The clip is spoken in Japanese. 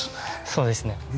そうですね。